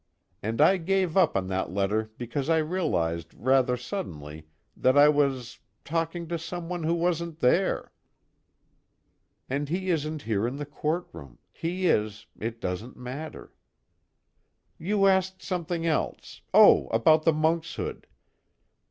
And I gave up on that letter because I realized rather suddenly that I was talking to someone who wasn't there." (And he isn't here in the courtroom he is it doesn't matter.) "You asked something else oh, about the monkshood.